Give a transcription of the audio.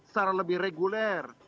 secara lebih reguler